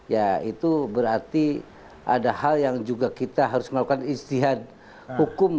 ya itu berarti ada hal yang juga kita harus melakukan istihad hukum